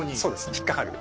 引っ掛かる形。